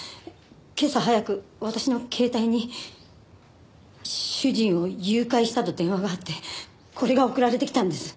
今朝早く私の携帯に主人を誘拐したと電話があってこれが送られてきたんです。